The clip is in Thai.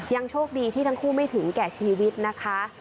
โชคดีที่ทั้งคู่ไม่ถึงแก่ชีวิตนะคะ